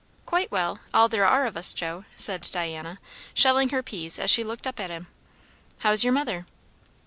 "Quite well all there are of us, Joe," said Diana, shelling her peas as she looked up at him. "How's your mother?"